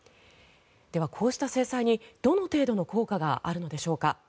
では、こうした制裁にどの程度の効果があるのでしょうか。